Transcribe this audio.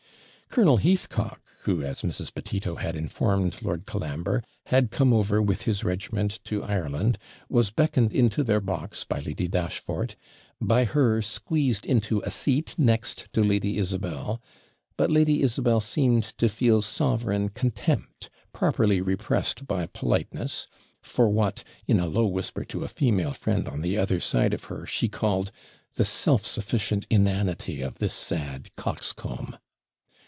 Colonel Heathcock, who, as Mrs. Petito had informed Lord Colambre, had come over with his regiment to Ireland, was beckoned into their box by Lady Dashfort, by her squeezed into a seat next to Lady Isabel; but Lady Isabel seemed to feel sovereign contempt, properly repressed by politeness, for what, in a low whisper to a female friend on the other side of her, she called, 'the self sufficient inanity of this sad coxcomb.'